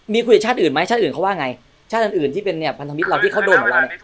มีคุยกับชาติอื่นไหมชาติอื่นเขาว่าไงชาติอื่นที่เป็นเนี่ยพันธมิตรเราที่เขาโดนของเราเนี่ย